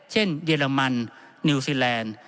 เยอรมันนิวซีแลนด์